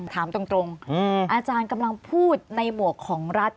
ถามตรงอาจารย์กำลังพูดในหมวกของรัฐ